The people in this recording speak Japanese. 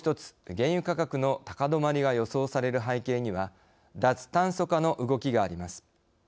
原油価格の高止まりが予想される背景には脱炭素化の動きがあります。